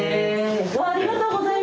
うわっありがとうございます！